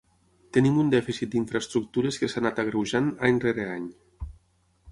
Tenim un dèficit d’infraestructures que s’ha anat agreujant any rere any.